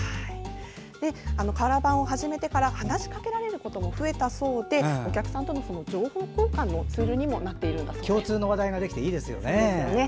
瓦版を始めてから話しかけられることも増えたそうでお客さんとの情報交換のツールにもなっているそうです。